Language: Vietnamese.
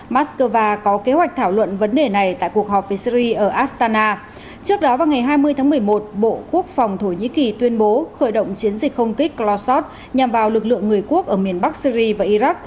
moscow có kế hoạch thảo luận vấn đề này tại cuộc họp với syri ở astana